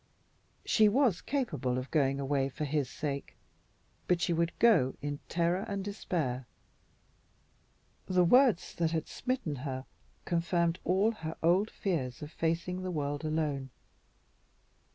She was capable of going away for his sake, but she would go in terror and despair. The words that had smitten her confirmed all her old fears of facing the world alone.